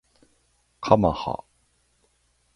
かまは